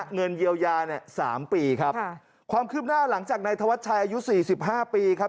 เงินเยียวยา๓ปีครับความขึ้นหน้าหลังจากในทวัดชายอายุ๔๕ปีครับ